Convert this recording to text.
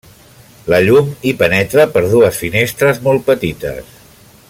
La llum hi penetra per dues finestres molt petites.